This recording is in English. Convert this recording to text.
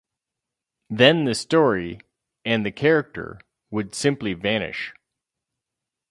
Then the story - and the character - would simply vanish.